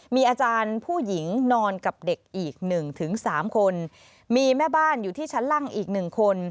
มีอาจารย์ผู้หญิงนอนกับเด็กอีก๑๓คนมีแม่บ้านอยู่ที่ชั้นล่างอีก๑คน